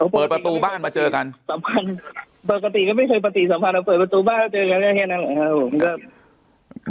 เปิดประตูบ้านมาเจอกันสำคัญปกติก็ไม่เคยปฏิสัมพันธ์เราเปิดประตูบ้านแล้วเจอกันได้แค่นั้นแหละครับผมก็